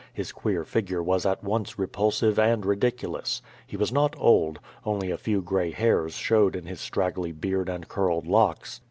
His queer figure was at once repulsive and ridiculous. He was not old. Only a few gray hairs showed in his straggly beard and curled locks.